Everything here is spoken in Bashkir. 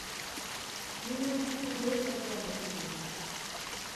Мин үҙем шундай хәлгә эләктем.